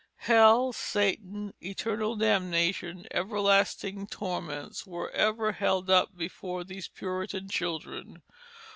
Hell, Satan, eternal damnation, everlasting torments, were ever held up before these Puritan children.